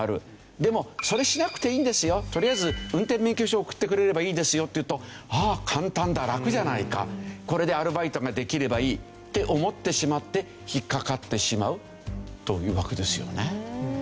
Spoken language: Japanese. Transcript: でも「それしなくていいんですよ」「とりあえず運転免許証を送ってくれればいいんですよ」って言うと「ああ簡単だ。ラクじゃないか」「これでアルバイトができればいい」って思ってしまって引っかかってしまうというわけですよね。